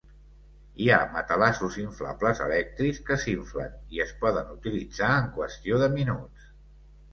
Hi ha matalassos inflables elèctrics que s'inflen i es poden utilitzar en qüestió de minuts.